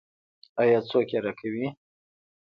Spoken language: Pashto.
آیا څوک یې راکوي؟